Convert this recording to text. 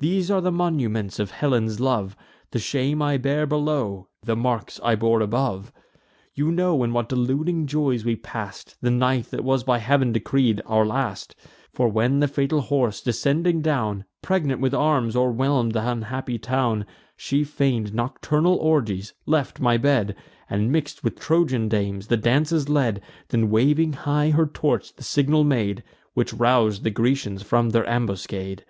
These are the monuments of Helen's love: The shame I bear below, the marks I bore above. You know in what deluding joys we pass'd The night that was by Heav'n decreed our last: For, when the fatal horse, descending down, Pregnant with arms, o'erwhelm'd th' unhappy town She feign'd nocturnal orgies; left my bed, And, mix'd with Trojan dames, the dances led Then, waving high her torch, the signal made, Which rous'd the Grecians from their ambuscade.